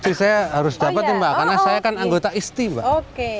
saya harus dapatin mbak karena saya kan anggota istri mbak